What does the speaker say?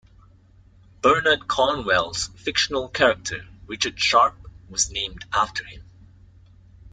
Bernard Cornwell's fictional character Richard Sharpe was named after him.